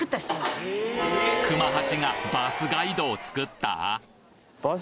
熊八がバスガイドを作った！？